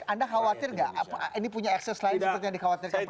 anda khawatir gak ini punya akses lain seperti yang dikhawatirkan prof ikan